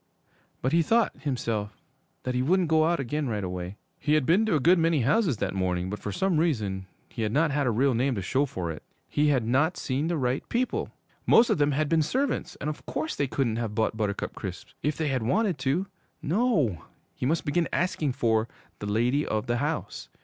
But he thought, himself, that he wouldn't go out again right away. He had been to a good many houses that morning, but for some reason he had not a real name to show for it. He had not seen the right people! Most of them had been servants, and of course they couldn't have bought Buttercup Crisps if they had wanted to. No he must begin asking for 'the lady of the house.'